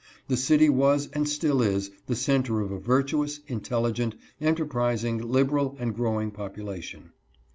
The city was and still is the center of a virtuous, intelligent, enterpris ing, liberal, and growing population.